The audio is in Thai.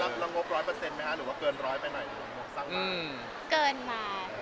รับรองค์รบ๑๐๐ไหมคะหรือเกินร้อยไปหน่อยหรือสักบ่า